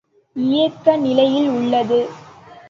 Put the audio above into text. இயக்க நிலையில் உள்ளது.